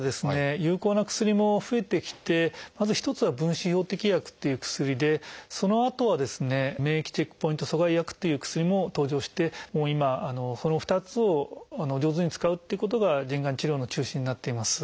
有効な薬も増えてきてまず一つは「分子標的薬」っていう薬でそのあとは「免疫チェックポイント阻害薬」という薬も登場して今その２つを上手に使うっていうことが腎がん治療の中心になっています。